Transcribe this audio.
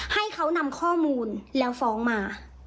ให้เขานำข้อมูลแล้วฟ้องมา